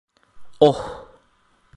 Oh...